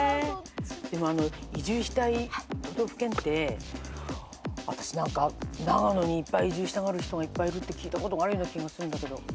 でも移住したい都道府県って私何か長野に移住したがる人がいっぱいいるって聞いたことがあるような気がするんだけど。